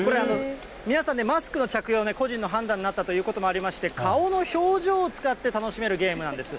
皆さんね、マスクの着用、個人の判断になったということもありまして、顔の表情を使って楽しめるゲームなんです。